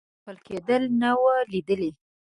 ښورښونو ځپل کېدل نه وه لیده شوي.